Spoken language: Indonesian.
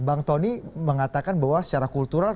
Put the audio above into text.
bang tony mengatakan bahwa secara kultural